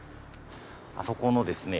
あそこのですね